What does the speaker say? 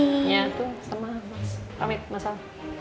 ya tuh sama mas ramit mas al